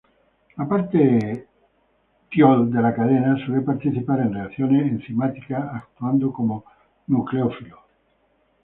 La parte tiol de la cadena suele participar en reacciones enzimáticas, actuando como nucleófilo.